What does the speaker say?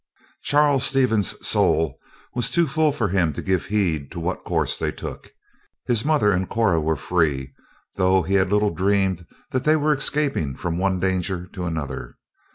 Charles Stevens' soul was too full for him to give heed to what course they took. His mother and Cora were free, though he little dreamed that they were escaping from one danger to another.